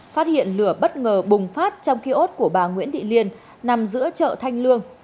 phát hiện lửa bất ngờ bùng phát trong kiosk của bà nguyễn thị liên nằm giữa chợ thanh lương